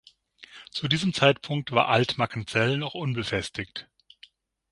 Zu diesem Zeitpunkt war Alt-Mackenzell noch unbefestigt.